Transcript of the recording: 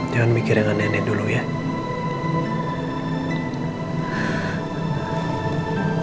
jangan mikir dengan nenek dulu ya